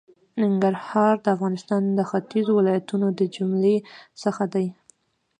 ننګرهار د افغانستان د ختېځو ولایتونو د جملې څخه دی.